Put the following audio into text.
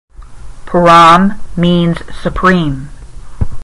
'Param' means 'Supreme'.